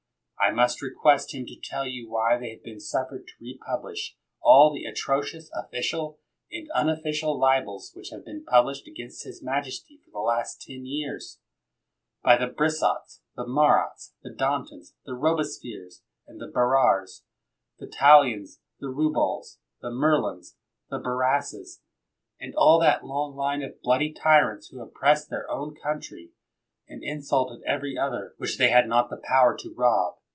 I must re quest him to tell you why they have been suf fered to republish all the atrocious official and unofficial libels which have been published against his majesty for the last ten years, by the Brissots, the Marats, the Dantons, the Robes pierres, the Bareres, the Talliens, the Reubells, the Merlins, the Barrases, and all that long line of bloody tyrants who oppressed their own country and insulted every other which they had not the power to rob.